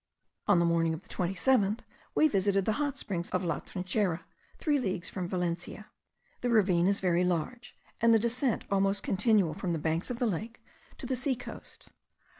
On the morning of the 27th we visited the hot springs of La Trinchera, three leagues from Valencia. The ravine is very large, and the descent almost continual from the banks of the lake to the sea coast.